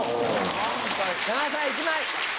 山田さん１枚！